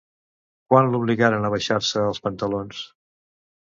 Quan l'obligaran a baixar-se els pantalons?